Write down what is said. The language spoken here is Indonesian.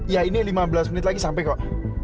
ya ini lima belas menit lagi sampai kok